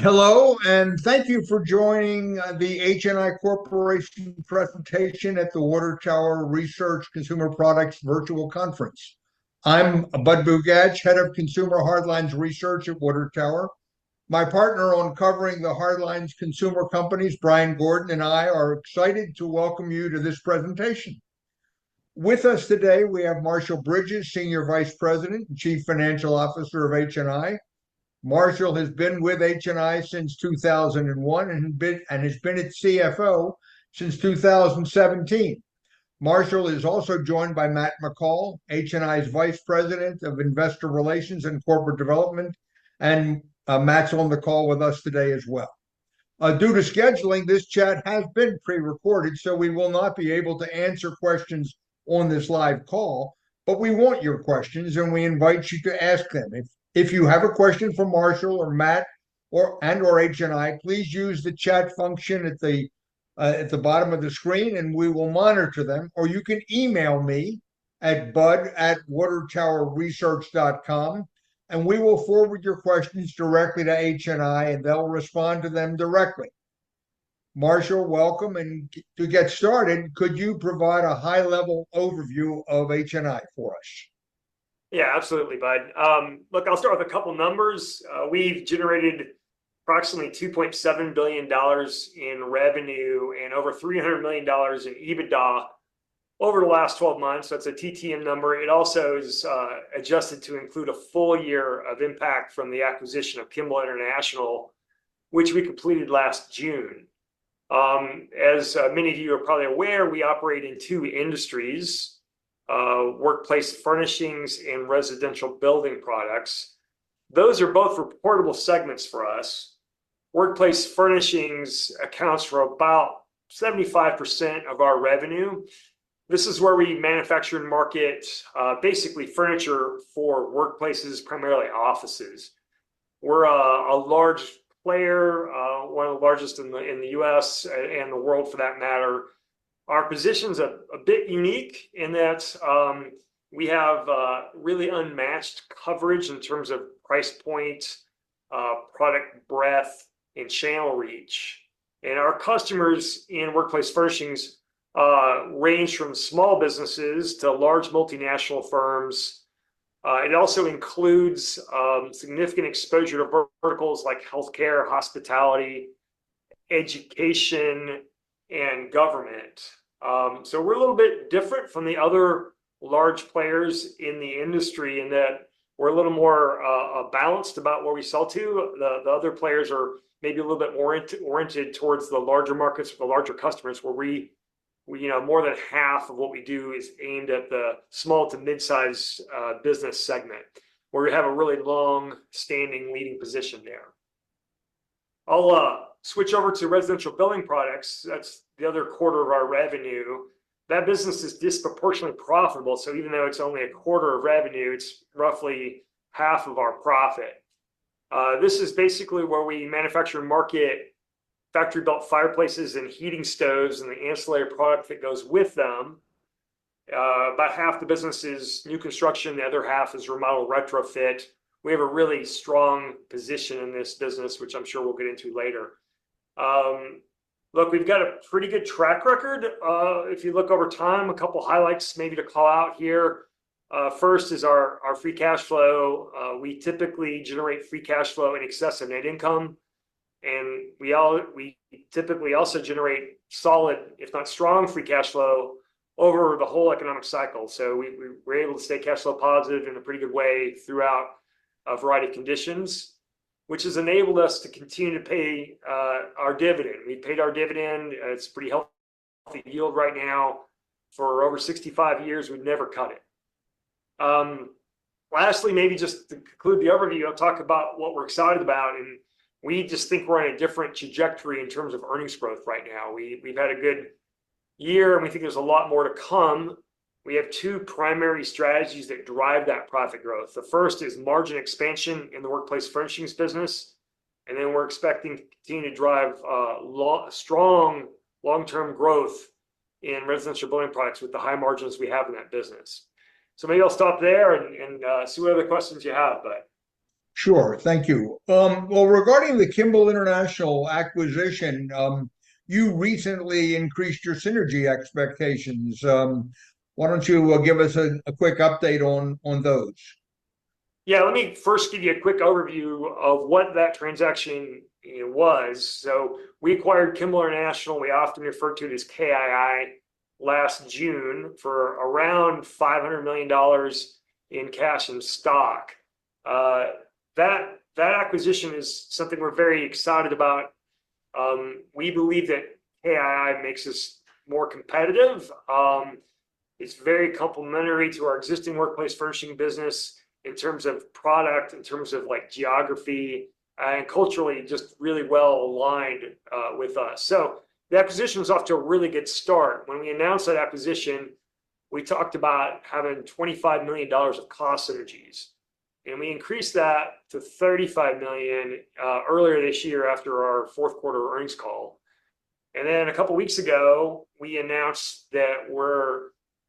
Hello, and thank you for joining the HNI Corporation presentation at the Water Tower Research Consumer Products virtual conference. I'm Budd Bugatch, Head of Consumer Hardlines Research at Water Tower. My partner on covering the hardlines consumer companies, Brian Gordon, and I are excited to welcome you to this presentation. With us today, we have Marshall Bridges, Senior Vice President and Chief Financial Officer of HNI. Marshall has been with HNI since 2001, and has been its CFO since 2017. Marshall is also joined by Matt McCall, HNI's Vice President of Investor Relations and Corporate Development, and Matt's on the call with us today as well. Due to scheduling, this chat has been pre-recorded, so we will not be able to answer questions on this live call, but we want your questions, and we invite you to ask them. If you have a question for Marshall or Matt or and/or HNI, please use the chat function at the bottom of the screen, and we will monitor them, or you can email me at budd@watertowerresearch.com, and we will forward your questions directly to HNI, and they'll respond to them directly. Marshall, welcome, and to get started, could you provide a high-level overview of HNI for us? Yeah, absolutely, Budd. Look, I'll start with a couple numbers. We've generated approximately $2.7 billion in revenue and over $300 million in EBITDA over the last 12 months. That's a TTM number. It also is adjusted to include a full year of impact from the acquisition of Kimball International, which we completed last June. As many of you are probably aware, we operate in two industries, workplace furnishings and residential building products. Those are both reportable segments for us. Workplace furnishings accounts for about 75% of our revenue. This is where we manufacture and market basically furniture for workplaces, primarily offices. We're a large player, one of the largest in the US and the world for that matter. Our position's a bit unique in that we have really unmatched coverage in terms of price point, product breadth, and channel reach. Our customers in workplace furnishings range from small businesses to large multinational firms. It also includes significant exposure to verticals like healthcare, hospitality, education, and government. So we're a little bit different from the other large players in the industry in that we're a little more balanced about where we sell to. The other players are maybe a little bit more oriented towards the larger markets for the larger customers, where we, you know, more than half of what we do is aimed at the small to midsize business segment, where we have a really long-standing leading position there. I'll switch over to residential building products. That's the other quarter of our revenue. That business is disproportionately profitable, so even though it's only a quarter of revenue, it's roughly half of our profit. This is basically where we manufacture and market factory-built fireplaces and heating stoves and the ancillary product that goes with them. About half the business is new construction, the other half is remodel/retrofit. We have a really strong position in this business, which I'm sure we'll get into later. Look, we've got a pretty good track record. If you look over time, a couple highlights maybe to call out here. First is our free cash flow. We typically generate free cash flow in excess of net income, and we typically also generate solid, if not strong, free cash flow over the whole economic cycle. So we're able to stay cash flow positive in a pretty good way throughout a variety of conditions, which has enabled us to continue to pay our dividend. We paid our dividend, it's pretty healthy yield right now. For over 65 years, we've never cut it. Lastly, maybe just to conclude the overview, I'll talk about what we're excited about, and we just think we're on a different trajectory in terms of earnings growth right now. We've had a good year, and we think there's a lot more to come. We have two primary strategies that drive that profit growth. The first is margin expansion in the workplace furnishings business, and then we're expecting to continue to drive strong long-term growth in residential building products with the high margins we have in that business. Maybe I'll stop there and see what other questions you have, Budd. Sure. Thank you. Well, regarding the Kimball International acquisition, you recently increased your synergy expectations. Why don't you give us a quick update on those? Yeah, let me first give you a quick overview of what that transaction was. So we acquired Kimball International, we often refer to it as KII, last June for around $500 million in cash and stock. That acquisition is something we're very excited about. We believe that KII makes us more competitive. It's very complementary to our existing workplace furnishing business in terms of product, in terms of, like, geography, and culturally just really well aligned with us. So the acquisition was off to a really good start. When we announced that acquisition, we talked about having $25 million of cost synergies, and we increased that to $35 million earlier this year after our fourth quarter earnings call. Then a couple weeks ago, we announced that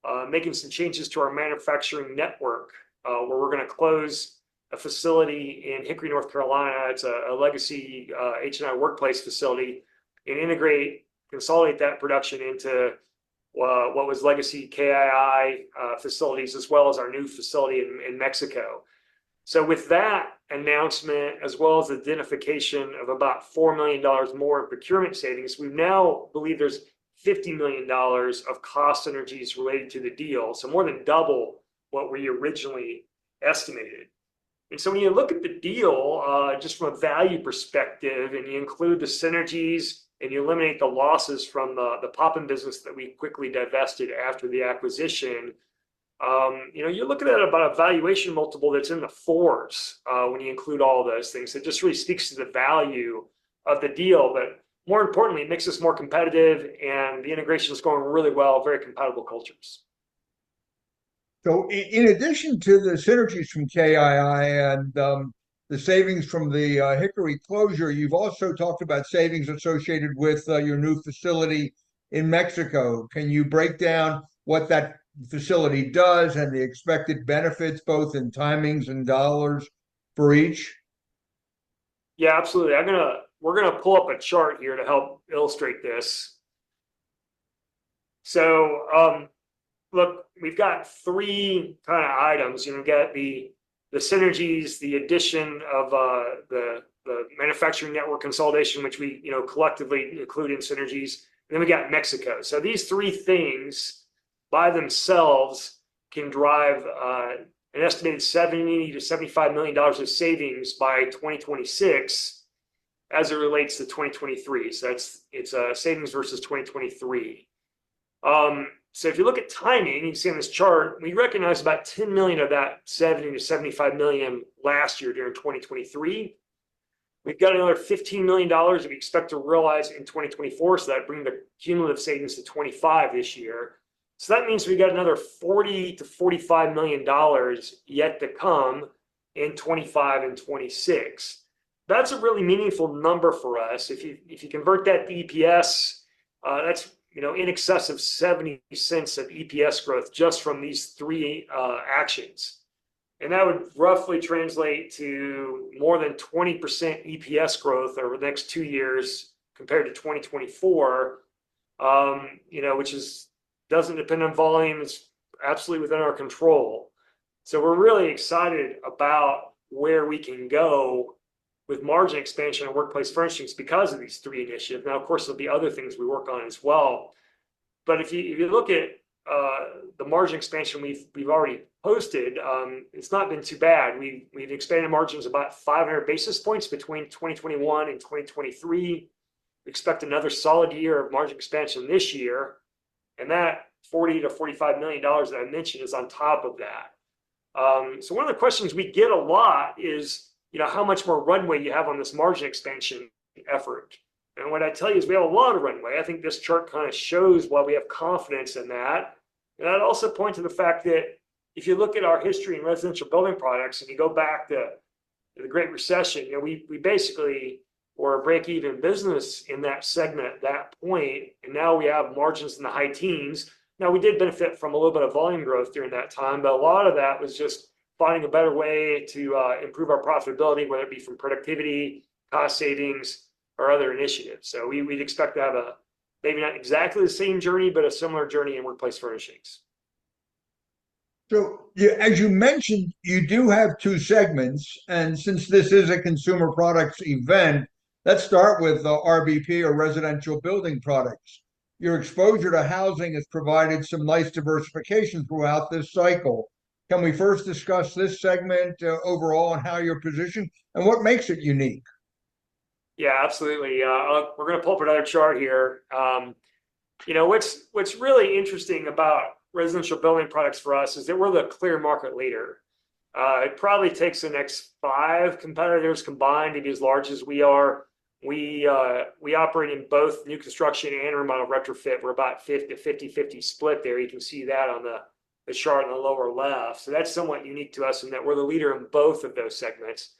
we're making some changes to our manufacturing network, where we're gonna close a facility in Hickory, North Carolina. It's a legacy HNI workplace facility, and integrate, consolidate that production into what was legacy KII facilities, as well as our new facility in Mexico. So with that announcement, as well as identification of about $4 million more in procurement savings, we now believe there's $50 million of cost synergies related to the deal, so more than double what we originally estimated. And so when you look at the deal, just from a value perspective, and you include the synergies, and you eliminate the losses from the, the Poppin business that we quickly divested after the acquisition, you know, you're looking at about a valuation multiple that's in the fours, when you include all those things. It just really speaks to the value of the deal, but more importantly, it makes us more competitive, and the integration is going really well, very compatible cultures. So in addition to the synergies from KII and the savings from the Hickory closure, you've also talked about savings associated with your new facility in Mexico. Can you break down what that facility does and the expected benefits, both in timings and dollars for each? Yeah, absolutely. We're gonna pull up a chart here to help illustrate this. So, look, we've got three kind of items. You've got the, the synergies, the addition of, the, the manufacturing network consolidation, which we, you know, collectively include in synergies, and then we got Mexico. So these three things by themselves can drive, an estimated $70-$75 million of savings by 2026, as it relates to 2023. So it's a savings versus 2023. So if you look at timing, you can see on this chart, we recognized about $10 million of that $70-$75 million last year, during 2023. We've got another $15 million we expect to realize in 2024, so that'll bring the cumulative savings to $25 million this year. So that means we've got another $40-$45 million yet to come in 2025 and 2026. That's a really meaningful number for us. If you, if you convert that to EPS, that's, you know, in excess of $0.70 of EPS growth just from these three actions. And that would roughly translate to more than 20% EPS growth over the next two years, compared to 2024. You know, which is... doesn't depend on volume. It's absolutely within our control. So we're really excited about where we can go with margin expansion and workplace furnishings because of these three initiatives. Now, of course, there'll be other things we work on as well, but if you, if you look at, the margin expansion we've, we've already posted, it's not been too bad. We've, we've expanded margins about 500 basis points between 2021 and 2023. We expect another solid year of margin expansion this year, and that $40-$45 million that I mentioned is on top of that. So one of the questions we get a lot is, you know, how much more runway you have on this margin expansion effort, and what I tell you is we have a lot of runway. I think this chart kind of shows why we have confidence in that. It also points to the fact that if you look at our history in residential building products, and you go back to the Great Recession, you know, we basically were a break-even business in that segment at that point, and now we have margins in the high teens. Now, we did benefit from a little bit of volume growth during that time, but a lot of that was just finding a better way to improve our profitability, whether it be from productivity, cost savings, or other initiatives. So we, we'd expect to have a, maybe not exactly the same journey, but a similar journey in workplace furnishings. As you mentioned, you do have two segments, and since this is a consumer products event, let's start with the RBP, or Residential Building Products. Your exposure to housing has provided some nice diversification throughout this cycle. Can we first discuss this segment, overall and how you're positioned and what makes it unique? Yeah, absolutely. We're gonna pull up another chart here. You know, what's really interesting about Residential Building Products for us is that we're the clear market leader. It probably takes the next five competitors combined to be as large as we are. We operate in both new construction and remodel/retrofit. We're about a 50/50 split there. You can see that on the chart in the lower left. So that's somewhat unique to us in that we're the leader in both of those segments.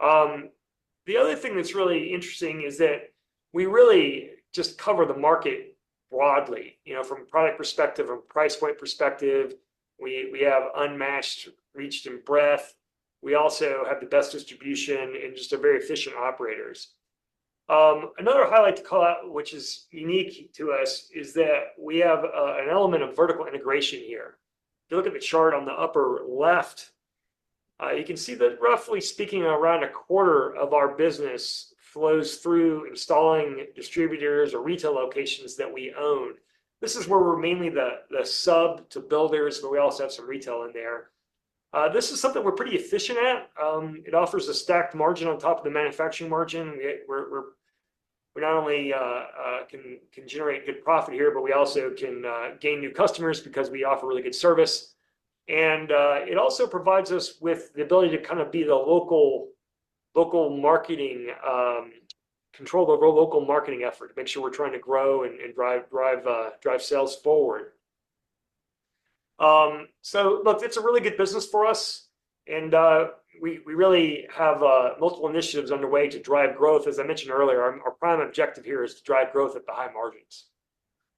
The other thing that's really interesting is that we really just cover the market broadly. You know, from a product perspective, a price point perspective, we have unmatched reach and breadth. We also have the best distribution and just are very efficient operators. Another highlight to call out, which is unique to us, is that we have an element of vertical integration here. If you look at the chart on the upper left, you can see that roughly speaking, around a quarter of our business flows through installing distributors or retail locations that we own. This is where we're mainly the sub to builders, but we also have some retail in there. This is something we're pretty efficient at. It offers a stacked margin on top of the manufacturing margin. We not only can generate good profit here, but we also can gain new customers because we offer really good service. It also provides us with the ability to kind of be the local marketing, control the local marketing effort, make sure we're trying to grow and drive sales forward... So look, it's a really good business for us, and we really have multiple initiatives underway to drive growth. As I mentioned earlier, our prime objective here is to drive growth at the high margins.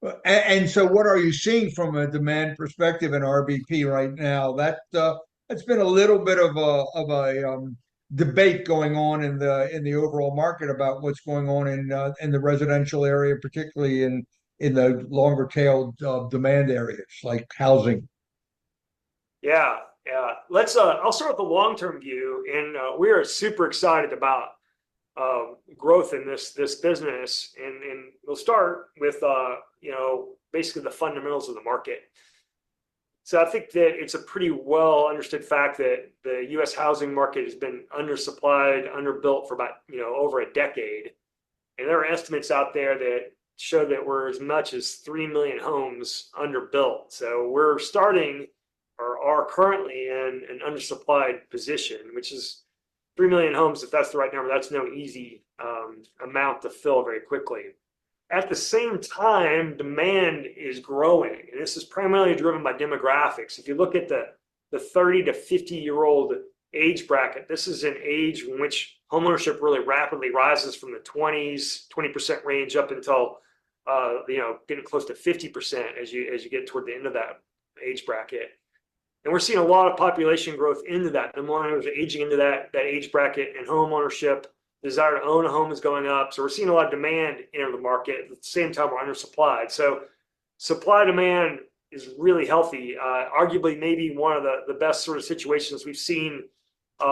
Well, and so what are you seeing from a demand perspective in RBP right now? That, that's been a little bit of a debate going on in the overall market about what's going on in the residential area, particularly in the longer tail demand areas like housing. Yeah. Yeah, let's... I'll start with the long-term view, and we are super excited about growth in this, this business. And we'll start with you know, basically the fundamentals of the market. So I think that it's a pretty well-understood fact that the U.S. housing market has been undersupplied, underbuilt for about, you know, over a decade, and there are estimates out there that show that we're as much as 3 million homes underbuilt. So we're starting, or are currently in an undersupplied position, which is 3 million homes, if that's the right number, that's no easy amount to fill very quickly. At the same time, demand is growing, and this is primarily driven by demographics. If you look at the 30- to 50-year-old age bracket, this is an age in which homeownership really rapidly rises from the 20s, 20% range, up until you know, getting close to 50% as you get toward the end of that age bracket. We're seeing a lot of population growth into that age bracket, and homeownership desire to own a home is going up. We're seeing a lot of demand enter the market. At the same time, we're undersupplied. Supply-demand is really healthy, arguably maybe one of the best sort of situations we've seen in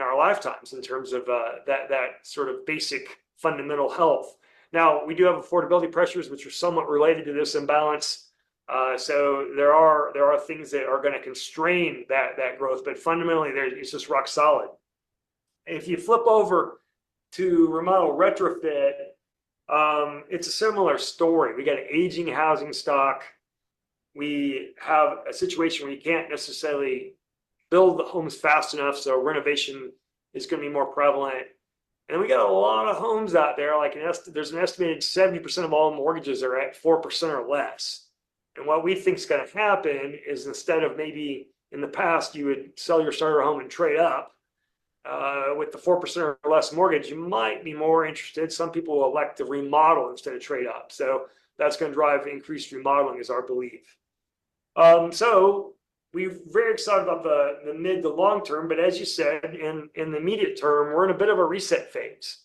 our lifetimes in terms of that sort of basic fundamental health. Now, we do have affordability pressures, which are somewhat related to this imbalance. So there are things that are gonna constrain that growth, but fundamentally, they're... it's just rock solid. If you flip over to remodel retrofit, it's a similar story. We got an aging housing stock. We have a situation where you can't necessarily build the homes fast enough, so renovation is gonna be more prevalent. And we got a lot of homes out there, there's an estimated 70% of all mortgages are at 4% or less, and what we think is gonna happen is, instead of maybe in the past you would sell your starter home and trade up, with the 4% or less mortgage, you might be more interested, some people will elect to remodel instead of trade up. So that's gonna drive increased remodeling, is our belief. So we're very excited about the mid to long term, but as you said, in the immediate term, we're in a bit of a reset phase.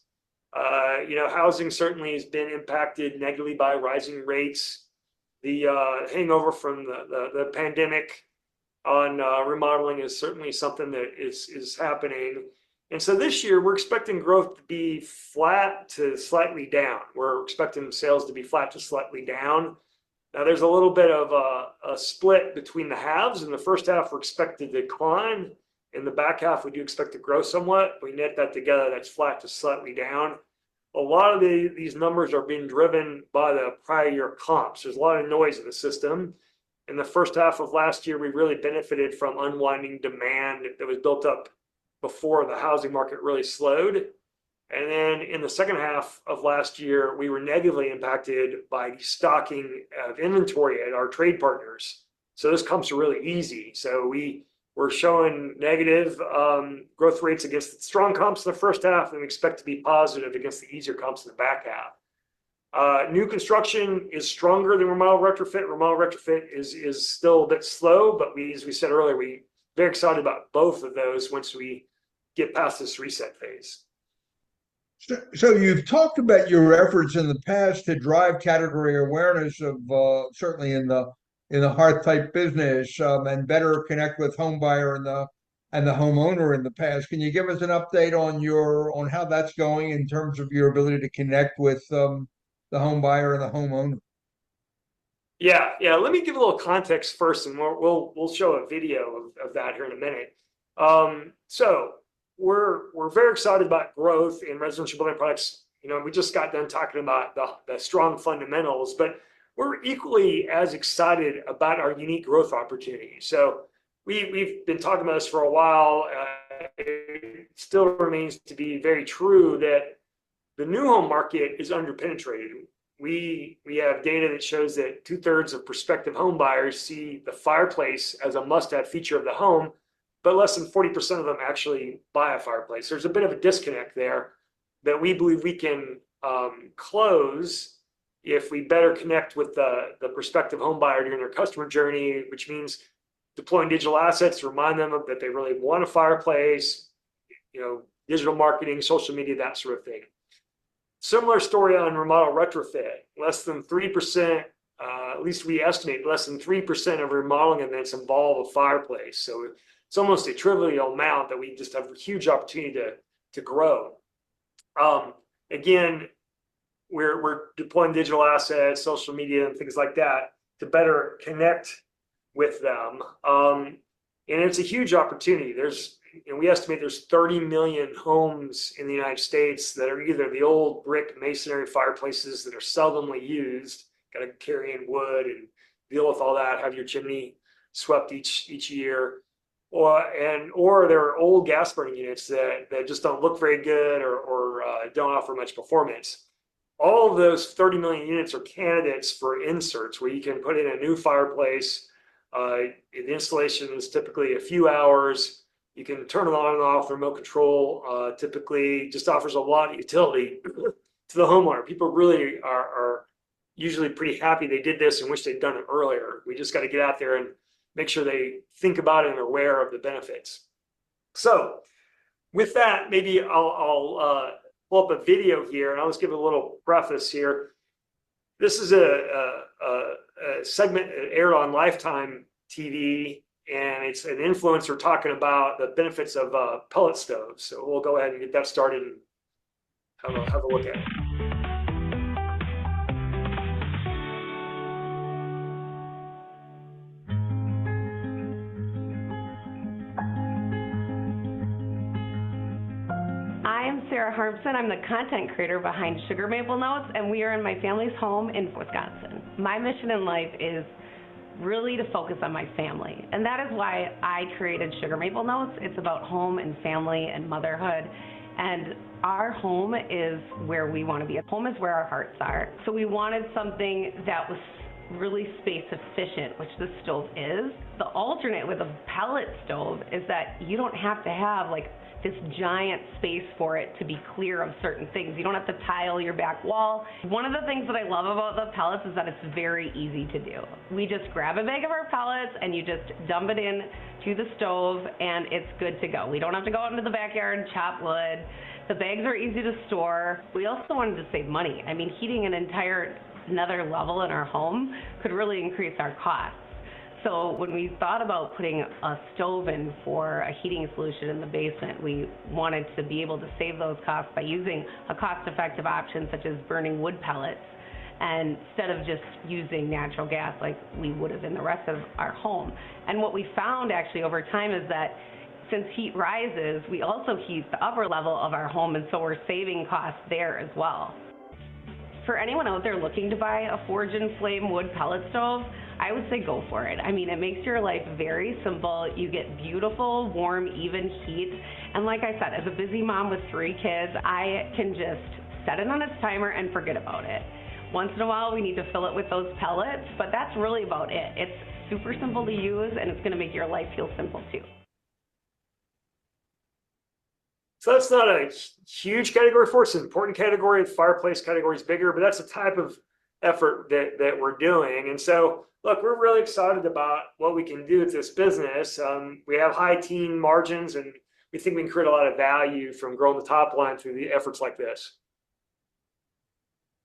You know, housing certainly has been impacted negatively by rising rates. The hangover from the pandemic on remodeling is certainly something that is happening, and so this year we're expecting growth to be flat to slightly down. We're expecting sales to be flat to slightly down. Now, there's a little bit of a split between the halves. In the first half, we expect a decline. In the back half, we do expect to grow somewhat. We net that together, that's flat to slightly down. A lot of these numbers are being driven by the prior year comps. There's a lot of noise in the system. In the first half of last year, we really benefited from unwinding demand that was built up before the housing market really slowed, and then in the second half of last year, we were negatively impacted by destocking of inventory at our trade partners. Those comps are really easy. We're showing negative growth rates against the strong comps in the first half, and we expect to be positive against the easier comps in the back half. New construction is stronger than remodel retrofit. Remodel retrofit is still a bit slow, but we, as we said earlier, we're very excited about both of those once we get past this reset phase. So you've talked about your efforts in the past to drive category awareness of, certainly in the hearth-type business, and better connect with home buyer and the homeowner in the past. Can you give us an update on your on how that's going in terms of your ability to connect with the home buyer and the homeowner? Yeah. Yeah, let me give a little context first, and we'll show a video of that here in a minute. So we're very excited about growth in residential building products. You know, we just got done talking about the strong fundamentals, but we're equally as excited about our unique growth opportunity. So we've been talking about this for a while, and it still remains to be very true that the new home market is under-penetrated. We have data that shows that two-thirds of prospective home buyers see the fireplace as a must-have feature of the home, but less than 40% of them actually buy a fireplace. There's a bit of a disconnect there that we believe we can close if we better connect with the prospective home buyer during their customer journey, which means deploying digital assets to remind them of that they really want a fireplace, you know, digital marketing, social media, that sort of thing. Similar story on remodel retrofit. Less than 3%, at least we estimate less than 3% of remodeling events involve a fireplace, so it's almost a trivial amount that we just have a huge opportunity to grow. Again, we're deploying digital assets, social media, and things like that to better connect with them. And it's a huge opportunity. There's... We estimate there's 30 million homes in the United States that are either the old brick masonry fireplaces that are seldomly used, gotta carry in wood and deal with all that, have your chimney swept each year, or there are old gas-burning units that just don't look very good or don't offer much performance. All of those 30 million units are candidates for inserts, where you can put in a new fireplace. The installation is typically a few hours. You can turn it on and off, remote control. Typically just offers a lot of utility to the homeowner. People really are usually pretty happy they did this and wish they'd done it earlier. We just gotta get out there and make sure they think about it and are aware of the benefits. So, with that, maybe I'll pull up a video here, and I'll just give a little preface here. This is a segment that aired on Lifetime TV, and it's an influencer talking about the benefits of pellet stoves. So we'll go ahead and get that started and have a look at it. I'm Sarah Harmsen. I'm the content creator behind Sugar Maple Notes, and we are in my family's home in Wisconsin. My mission in life is really to focus on my family, and that is why I created Sugar Maple Notes. It's about home, and family, and motherhood, and our home is where we wanna be. Our home is where our hearts are. We wanted something that was really space-efficient, which this stove is. The alternate with a pellet stove is that you don't have to have, like, this giant space for it to be clear of certain things. You don't have to tile your back wall. One of the things that I love about the pellets is that it's very easy to do. We just grab a bag of our pellets, and you just dump it in to the stove, and it's good to go. We don't have to go out into the backyard and chop wood. The bags are easy to store. We also wanted to save money. I mean, heating an entire another level in our home could really increase our costs. When we thought about putting a stove in for a heating solution in the basement, we wanted to be able to save those costs by using a cost-effective option, such as burning wood pellets, and instead of just using natural gas, like we would've in the rest of our home. What we found actually over time is that since heat rises, we also heat the upper level of our home, and so we're saving costs there as well. For anyone out there looking to buy a Forge & Flame Wood Pellet Stove, I would say go for it. I mean, it makes your life very simple. You get beautiful, warm, even heat. And like I said, as a busy mom with three kids, I can just set it on its timer and forget about it. Once in a while, we need to fill it with those pellets, but that's really about it. It's super simple to use, and it's gonna make your life feel simple, too. So that's not a huge category for us. It's an important category. The fireplace category is bigger, but that's the type of effort that we're doing. And so, look, we're really excited about what we can do with this business. We have high-teen margins, and we think we can create a lot of value from growing the top line through the efforts like this.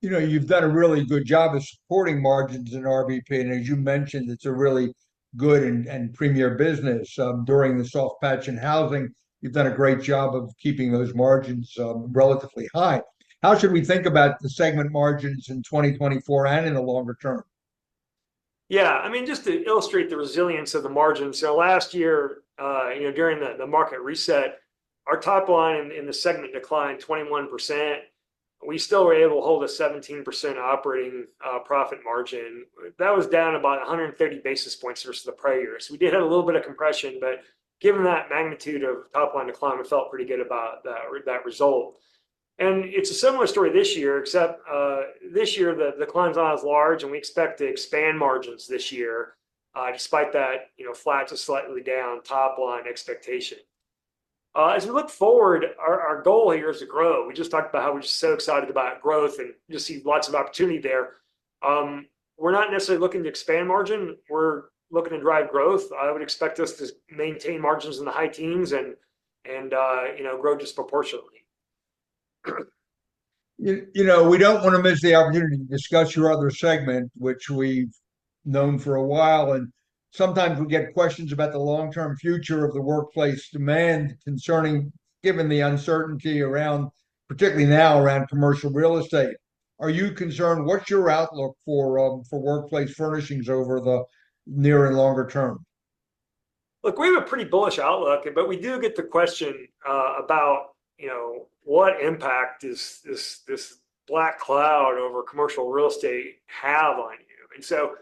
You know, you've done a really good job of supporting margins in RBP, and as you mentioned, it's a really good and premier business. During the soft patch in housing, you've done a great job of keeping those margins relatively high. How should we think about the segment margins in 2024 and in the longer term? Yeah, I mean, just to illustrate the resilience of the margins, so last year, you know, during the market reset, our top line in the segment declined 21%, and we still were able to hold a 17% operating profit margin. That was down about 130 basis points versus the prior year. So we did have a little bit of compression, but given that magnitude of top-line decline, we felt pretty good about that result. And it's a similar story this year, except this year, the decline's not as large, and we expect to expand margins this year, despite that, you know, flat to slightly down top line expectation. As we look forward, our goal here is to grow. We just talked about how we're just so excited about growth and just see lots of opportunity there. We're not necessarily looking to expand margin. We're looking to drive growth. I would expect us to maintain margins in the high teens and you know, grow disproportionately. You know, we don't wanna miss the opportunity to discuss your other segment, which we've known for a while, and sometimes we get questions about the long-term future of the workplace demand concerning... given the uncertainty around, particularly now, around commercial real estate. Are you concerned? What's your outlook for for workplace furnishings over the near and longer term? Look, we have a pretty bullish outlook, but we do get the question about, you know, what impact is this, this black cloud over commercial real estate have on you? And so,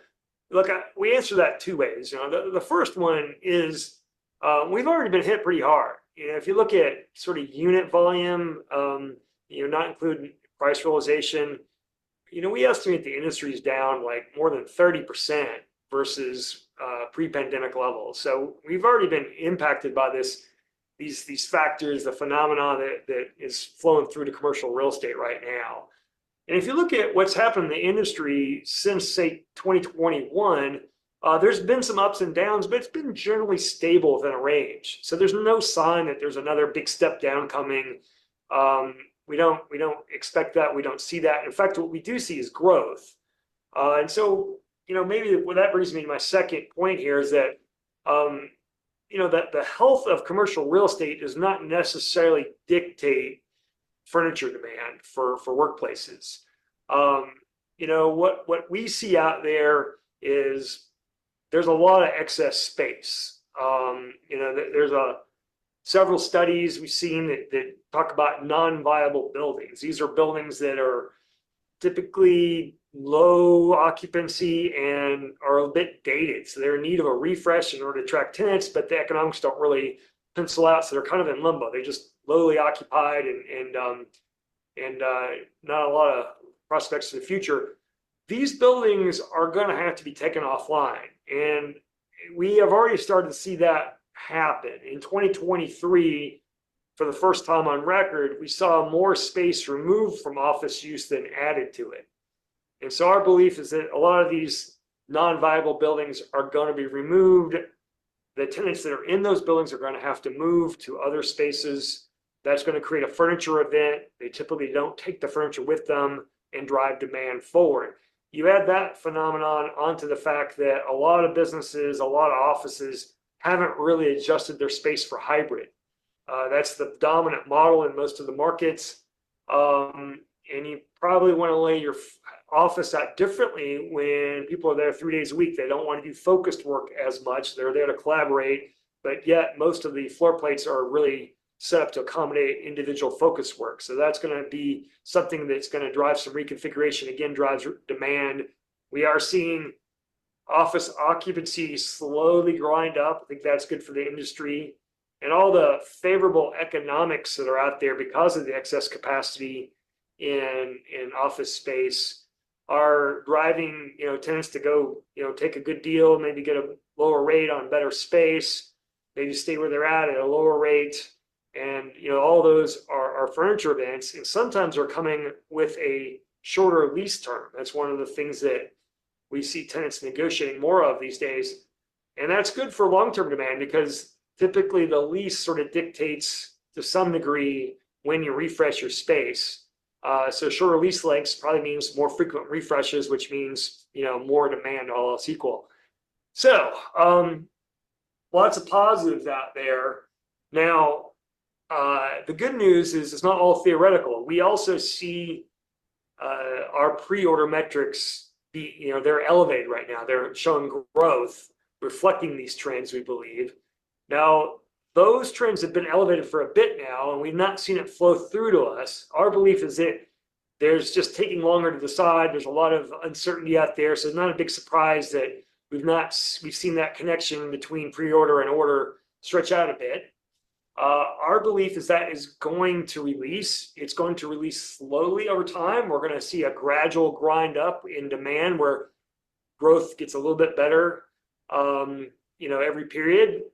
look, I... We answer that two ways. You know, the, the first one is, we've already been hit pretty hard. You know, if you look at sort of unit volume, you know, not including price realization, you know, we estimate the industry's down, like, more than 30% versus pre-pandemic levels. So we've already been impacted by this, these, these factors, the phenomenon that, that is flowing through to commercial real estate right now. And if you look at what's happened in the industry since, say, 2021, there's been some ups and downs, but it's been generally stable within a range. So there's no sign that there's another big step down coming. We don't, we don't expect that. We don't see that. In fact, what we do see is growth. And so, you know, maybe well, that brings me to my second point here, is that, you know, that the health of commercial real estate does not necessarily dictate furniture demand for, for workplaces. You know, what, what we see out there is there's a lot of excess space. You know, there, there's, several studies we've seen that, that talk about non-viable buildings. These are buildings that are typically low occupancy and are a bit dated, so they're in need of a refresh in order to attract tenants, but the economics don't really pencil out, so they're kind of in limbo. They're just lowly occupied and, and, and, not a lot of prospects for the future. These buildings are gonna have to be taken offline, and we have already started to see that happen. In 2023, for the first time on record, we saw more space removed from office use than added to it. And so our belief is that a lot of these non-viable buildings are gonna be removed. The tenants that are in those buildings are gonna have to move to other spaces. That's gonna create a furniture event. They typically don't take the furniture with them, and drive demand forward. You add that phenomenon onto the fact that a lot of businesses, a lot of offices, haven't really adjusted their space for hybrid. That's the dominant model in most of the markets. And you probably wanna lay your office out differently when people are there three days a week. They don't wanna do focused work as much, they're there to collaborate, but yet most of the floor plates are really set up to accommodate individual focus work. So that's gonna be something that's gonna drive some reconfiguration, again, drives demand. We are seeing office occupancy slowly grind up. I think that's good for the industry. All the favorable economics that are out there because of the excess capacity in office space are driving, you know, tenants to go, you know, take a good deal, maybe get a lower rate on better space. Maybe stay where they're at at a lower rate and, you know, all those are furniture events, and sometimes are coming with a shorter lease term. That's one of the things that we see tenants negotiating more of these days, and that's good for long-term demand because typically the lease sort of dictates, to some degree, when you refresh your space. So shorter lease lengths probably means more frequent refreshes, which means, you know, more demand, all else equal. So, lots of positives out there. Now, the good news is it's not all theoretical. We also see our pre-order metrics, you know, they're elevated right now. They're showing growth reflecting these trends, we believe. Now, those trends have been elevated for a bit now, and we've not seen it flow through to us. Our belief is that there's just taking longer to decide. There's a lot of uncertainty out there, so it's not a big surprise that we've seen that connection between pre-order and order stretch out a bit. Our belief is that is going to release, it's going to release slowly over time. We're gonna see a gradual grind up in demand where growth gets a little bit better, you know, every period.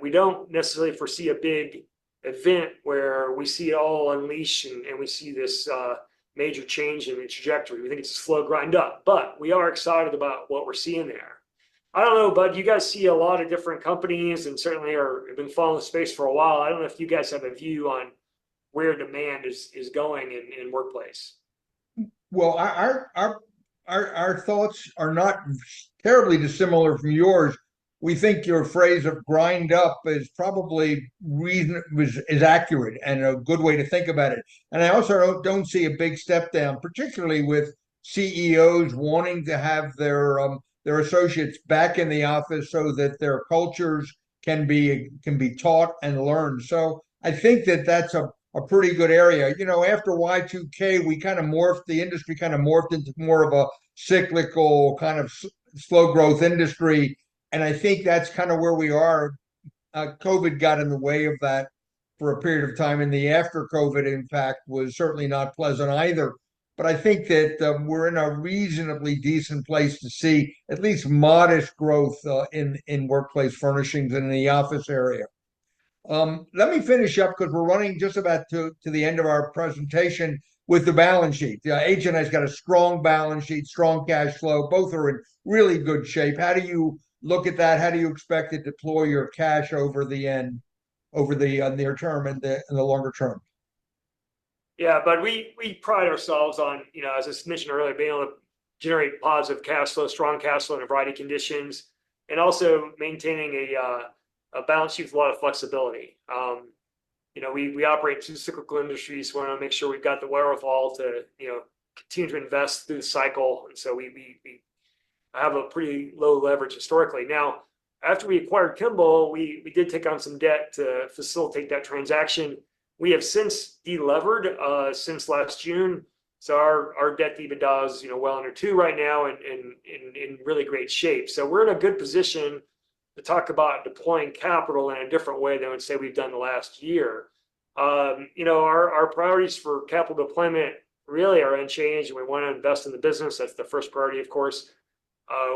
We don't necessarily foresee a big event where we see it all unleashing and we see this major change in the trajectory. We think it's a slow grind up, but we are excited about what we're seeing there. I don't know, Budd, you guys see a lot of different companies and certainly have been following the space for a while. I don't know if you guys have a view on where demand is going in workplace. Well, our thoughts are not terribly dissimilar from yours. We think your phrase of "grind up" is probably reasonable is accurate and a good way to think about it. And I also don't see a big step down, particularly with CEOs wanting to have their their associates back in the office so that their cultures can be taught and learned. So I think that's a pretty good area. You know, after Y2K, we kind of morphed, the industry kind of morphed into more of a cyclical, kind of slow growth industry, and I think that's kind of where we are. COVID got in the way of that for a period of time, and the after-COVID impact was certainly not pleasant either. But I think that, we're in a reasonably decent place to see at least modest growth in workplace furnishings in the office area. Let me finish up, 'cause we're running just about to the end of our presentation, with the balance sheet. HNI's got a strong balance sheet, strong cash flow, both are in really good shape. How do you look at that? How do you expect to deploy your cash over the near term and the longer term? Yeah, Budd, we pride ourselves on, you know, as I mentioned earlier, being able to generate positive cash flow, strong cash flow in a variety of conditions, and also maintaining a balance sheet with a lot of flexibility. You know, we operate two cyclical industries. We wanna make sure we've got the wherewithal to, you know, continue to invest through the cycle, and so we have a pretty low leverage historically. Now, after we acquired Kimball, we did take on some debt to facilitate that transaction. We have since delevered since last June, so our debt EBITDA is, you know, well under two right now and in really great shape. So we're in a good position to talk about deploying capital in a different way than I would say we've done the last year. You know, our, our priorities for capital deployment really are unchanged, and we wanna invest in the business. That's the first priority, of course.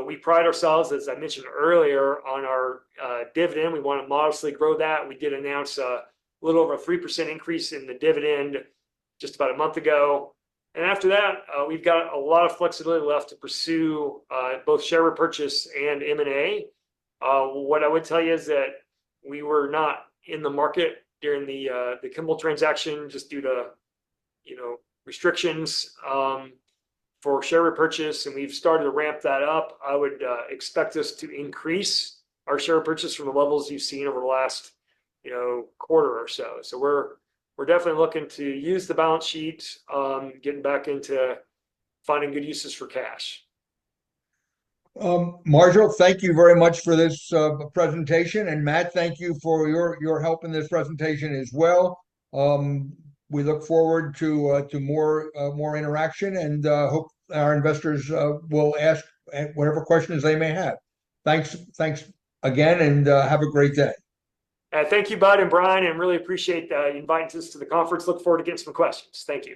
We pride ourselves, as I mentioned earlier, on our dividend. We wanna modestly grow that. We did announce a little over a 3% increase in the dividend just about a month ago. And after that, we've got a lot of flexibility left to pursue both share repurchase and M&A. What I would tell you is that we were not in the market during the Kimball transaction just due to, you know, restrictions for share repurchase, and we've started to ramp that up. I would expect us to increase our share purchase from the levels you've seen over the last, you know, quarter or so. We're definitely looking to use the balance sheet, getting back into finding good uses for cash. Marshall, thank you very much for this presentation, and Matt, thank you for your help in this presentation as well. We look forward to more interaction and hope our investors will ask whatever questions they may have. Thanks, thanks again, and have a great day. Thank you, Budd and Brian, and really appreciate inviting us to the conference. Look forward to getting some questions. Thank you.